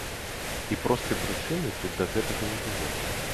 І простай прычыны тут да гэтага не было.